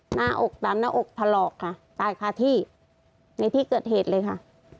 หน้าอกตามหน้าอกถลอกค่ะตายคาที่ในที่เกิดเหตุเลยค่ะ